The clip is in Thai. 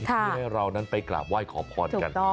ที่จะให้เรานั้นไปกราบไหว้ขอบคลอนกัน